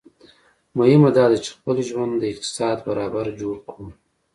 مهمه داده چي خپل ژوند د اقتصاد برابر جوړ کړو